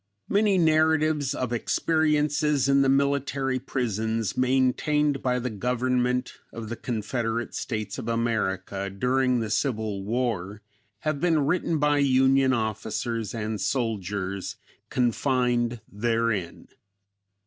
Many narratives of experiences in the military prisons maintained by the government of the Confederate States of America during the Civil War have been written by Union officers and soldiers confined therein.